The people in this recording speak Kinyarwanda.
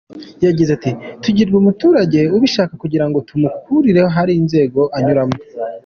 Yagize ati “Tugurira umuturage ubishaka, kugirango tumugurire hari inzego anyuramo.